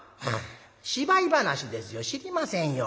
芝居噺ですよ知りませんよ。